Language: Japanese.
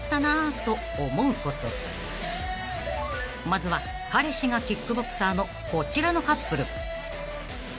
［まずは彼氏がキックボクサーのこちらのカップル］